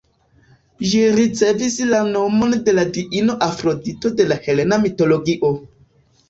Ĝi ricevis la nomon de la diino Afrodito de la helena mitologio.